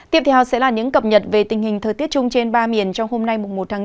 tiếp theo sẽ là những cập nhật về tình hình thời tiết chung trên ba miền trong hôm nay một tháng bốn